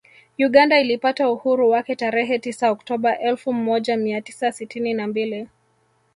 Uganda ilipata uhuru wake tarehe tisa Oktoba elfu moja mia tisa sitini na mbili